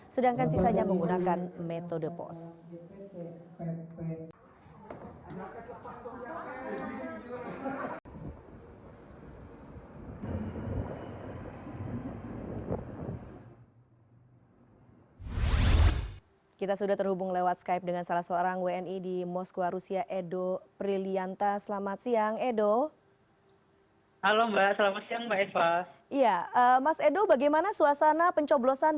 sedangkan sisanya menggunakan metode pos